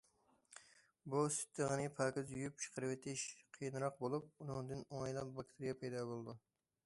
بۇ سۈت دېغىنى پاكىز يۇيۇپ چىقىرىۋېتىش قىيىنراق بولۇپ، ئۇنىڭدىن ئوڭايلا باكتېرىيە پەيدا بولىدۇ.